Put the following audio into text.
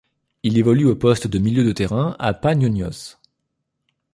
Il évolue au poste de milieu de terrain à Paniónios.